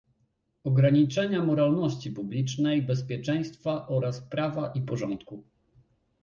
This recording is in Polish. ograniczenia moralności publicznej, bezpieczeństwa oraz prawa i porządku